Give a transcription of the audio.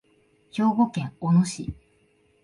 兵庫県小野市